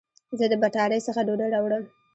زه د بټاری څخه ډوډي راوړم